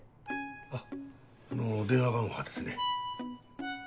あっあの電話番号はですね。